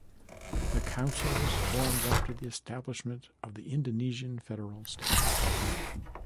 The council was formed after the establishment of the Indonesian federal state.